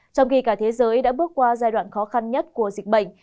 trong khi cả thế giới đã bước qua giai đoạn khó khăn nhất của dịch bệnh